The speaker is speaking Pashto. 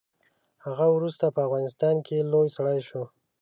هغه وروسته په افغانستان کې لوی سړی شو.